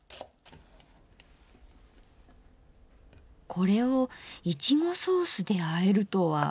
これをいちごソースであえるとは。